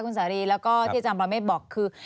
คุณสารีแล้วก็ที่อาจารย์ปรเมฆบอกคือ